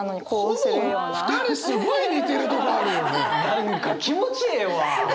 何か気持ちええわ。